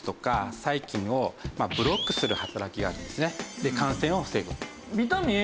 で感染を防ぐ。